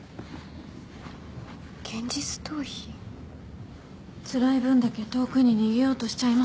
つらい分だけ遠くに逃げようとしちゃいません？